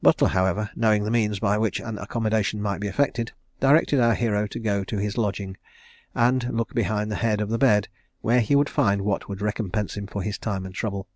Butler, however, knowing the means by which an accommodation might be effected, directed our hero to go to his lodging, and look behind the head of the bed, where he would find what would recompense him for his time and trouble.